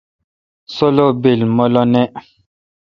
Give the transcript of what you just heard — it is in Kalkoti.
سولو بیل مہ لو نہ۔